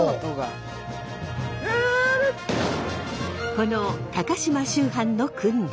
この高島秋帆の訓練。